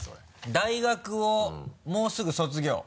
大学をもうすぐ卒業？